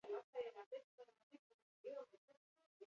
Oman eta Arabiar Emirerri Batuetan bizi dira.